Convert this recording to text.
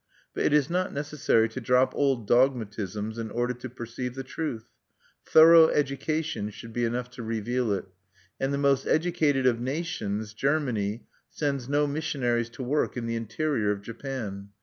But it is not necessary to drop old dogmatisms in order to perceive the truth: thorough education should be enough to reveal it; and the most educated of nations, Germany, sends no missionaries to work in the interior of Japan.